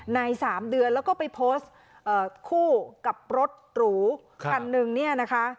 ใน๓เดือนแล้วก็ไปโพสต์คู่กับรถหรูคันนึงเนี่ยนะคะ